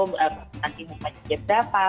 beradaptasi muka sejak berapa